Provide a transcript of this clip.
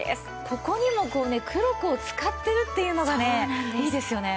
ここにもこうねクロコを使ってるっていうのがねいいですよね。